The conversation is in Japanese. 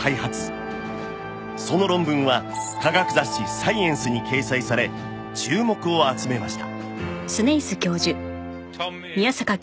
その論文は科学雑誌『サイエンス』に掲載され注目を集めました